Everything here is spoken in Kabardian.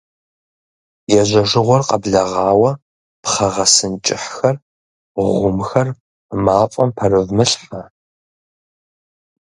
Ежьэжыгъуэр къэблэгъауэ пхъэ гъэсын кӀыхьхэр, гъумхэр мафӀэм пэрывмылъхьэ.